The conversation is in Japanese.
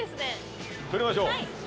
撮りましょう。